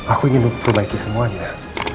aku ingin memperbaiki semuanya